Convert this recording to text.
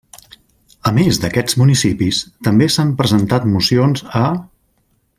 A més d'aquests municipis, també s'han presentat mocions a: